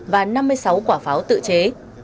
và năm mươi sáu quả pháo tự chế